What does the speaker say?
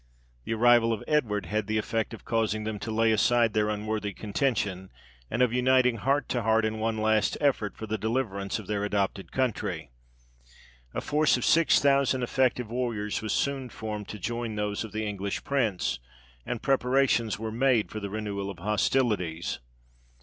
The arrival of Edward had the effect of causing them to lay aside their unworthy contention, and of uniting heart to heart in one last effort for the deliverance of their adopted country. A force of six thousand effective warriors was soon formed to join those of the English prince, and preparations were made for the renewal of hostilities.